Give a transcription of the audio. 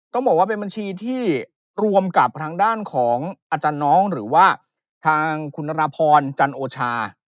ต้องบอกว่าเป็นบัญชีที่รวมกับทางด้านของอาจารย์น้องหรือว่าทางคุณรพรจันโอชา